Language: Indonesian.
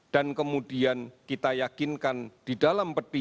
dan kemudian kita yakinkan di dalam peti